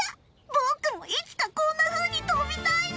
僕もいつかこんなふうにとびたいな。